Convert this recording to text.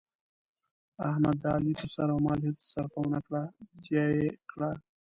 احمد د علي په سر او مال هېڅ سرفه ونه کړه، تیاه یې کړ.